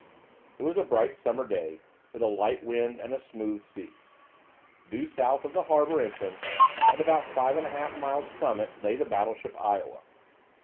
It was a bright summer day, with a light wind and a smooth sea. Due south of the harbour entrance, and about 5 1/2 miles from it, lay the battleship "Iowa."